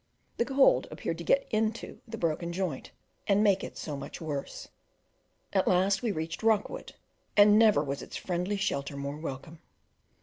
The cold appeared to get into the broken joint, and make it so much worse. At last we reached Rockwood, and never was its friendly shelter more welcome.